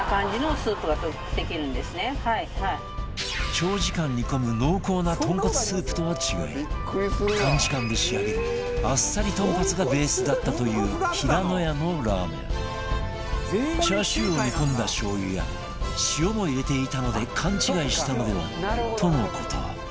長時間煮込む濃厚な豚骨スープとは違い短時間で仕上げるあっさり豚骨がベースだったというひらのやのラーメンチャーシューを煮込んだしょうゆや塩も入れていたので勘違いしたのでは？との事